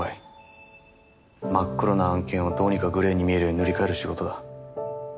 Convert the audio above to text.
真っ黒な案件をどうにかグレーに見えるように塗り替える仕事だ。